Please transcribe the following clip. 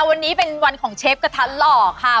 วันนี้เป็นวันของเชฟกระทะหล่อค่ะ